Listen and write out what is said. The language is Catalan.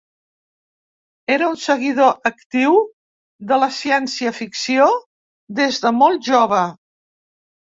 Era un seguidor actiu de la ciència ficció des de molt jove.